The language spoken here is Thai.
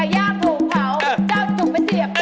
เจ้าจะถูกไปเสียบ